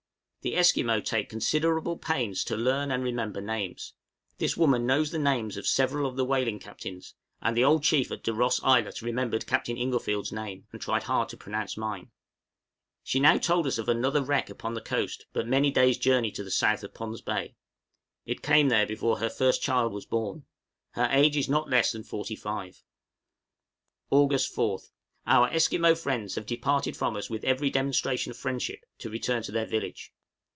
The Esquimaux take considerable pains to learn, and remember names; this woman knows the names of several of the whaling captains, and the old chief at De Ros Islet remembered Captain Inglefield's name, and tried hard to pronounce mine. She now told us of another wreck upon the coast, but many days' journey to the south of Pond's Bay; it came there before her first child was born. Her age is not less than forty five. {AUG., 1858.} August 4th. Our Esquimaux friends have departed from us with every demonstration of friendship, to return to their village.